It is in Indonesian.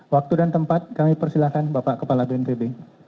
waktu dan tempat kami persilahkan bapak kepala bnpb